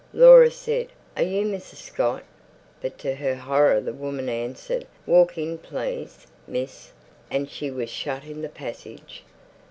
Laura said, "Are you Mrs. Scott?" But to her horror the woman answered, "Walk in please, miss," and she was shut in the passage.